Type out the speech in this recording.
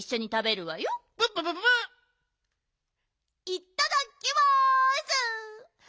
いっただきます！